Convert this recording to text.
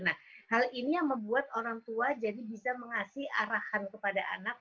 nah hal ini yang membuat orang tua jadi bisa mengasih arahan kepada anak